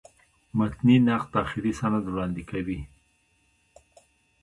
متني نقد آخري سند وړاندي کوي.